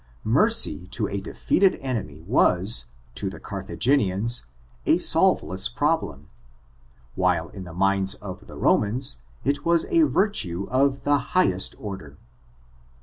Mercy to a defeated ene my, was, to the Garthagenians, a solveless problon, while in the minds of the Romans it was a virtue of the highest order.